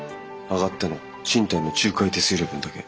上がったのは賃貸の仲介手数料分だけ。